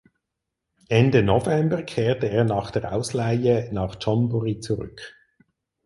Ende November kehrte er nach der Ausleihe nach Chonburi zurück.